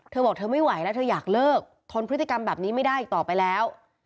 เธอบอกเธอไม่ไหวแล้วเธออยากเลิกทนพฤติกรรมแบบนี้ไม่ได้อีกต่อไปแล้ว